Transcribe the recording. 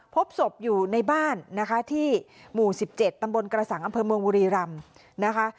พบศพอยู่ในบ้านนะคะที่หมู่๑๗ตำบลกระสังอำเภอเมืองบุรีรำนะคะ